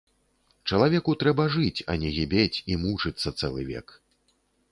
Чалавеку трэба жыць, а не гібець і мучыцца цэлы век!